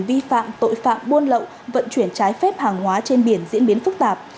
vi phạm tội phạm buôn lậu vận chuyển trái phép hàng hóa trên biển diễn biến phức tạp